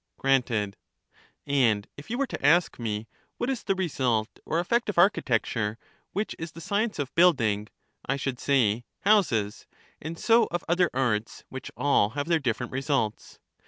Granted. And if you were to ask me, what is the result or effect of architecture, which is the science of building, I should say, houses, and so of other arts, which all have their different results.